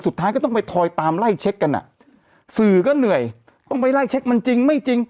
สุดท้ายก็ต้องไปทอยตามไล่เช็คกันอ่ะสื่อก็เหนื่อยต้องไปไล่เช็คมันจริงไม่จริง